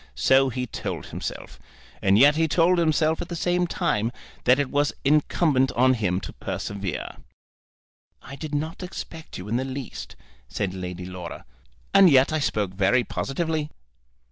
So he told himself. And yet he told himself at the same time that it was incumbent on him to persevere. "I did not expect you in the least," said Lady Laura. "And yet I spoke very positively."